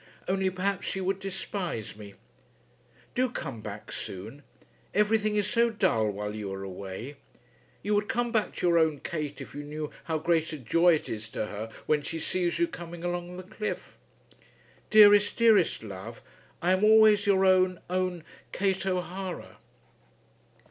Only, perhaps she would despise me. Do come back soon. Everything is so dull while you are away! You would come back to your own Kate if you knew how great a joy it is to her when she sees you coming along the cliff. Dearest, dearest love, I am always your own, own KATE O'HARA.